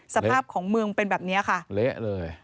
สภาพของเมืองเป็นแบบนี้ค่ะเละเลย